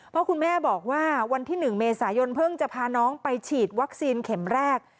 เพราะคุณแม่บอกว่าวันที่๑เมษายนเพิ่งจะพาน้องไปฉีดวัคซีนเข็มแรก